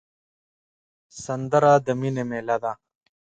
سندره د مینې میله ده